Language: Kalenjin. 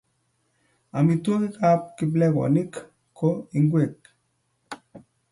amitwogikab kiplekonik ko ngwek